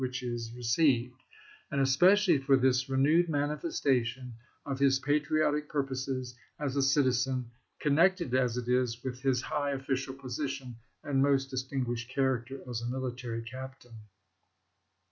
which is received ; and especially for this renewed manifestation of his patriotic purposes as a citizen, connected as it is with his high official position and Gm?scott, most distinguished character as a military captain."